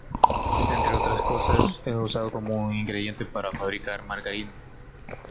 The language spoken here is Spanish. Entre otras cosas, es usado como un ingrediente para fabricar margarina.